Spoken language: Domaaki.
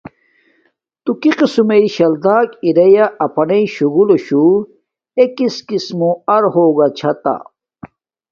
تو کی قسم مݵ شلدا اریا اپانݵ شوگولوشو اے کسکس موہ ار ہوگا چھاتہ